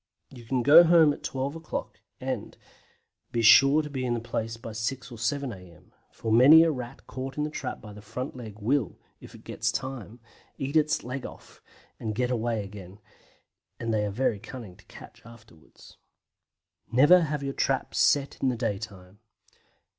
You can go home at 12 o'clock, and be sure to be in the place by 6 or 7 a.m., for many a Rat caught in the trap by the front leg will, if it gets time, eat off its leg and get away again, and they are very cunning to catch afterwards. NEVER HAVE YOUR TRAPS SET IN THE DAYTIME.